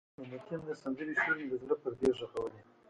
د متین د سندرې شور مې د زړه پردې غږولې.